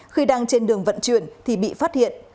khi đang trên đường vận chuyển thì bị phát hiện